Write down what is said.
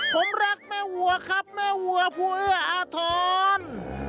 ผมรักแม่วัวครับแม่วัวผู้เอื้ออาทร